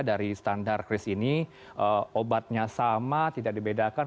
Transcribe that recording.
dari standar kris ini obatnya sama tidak dibedakan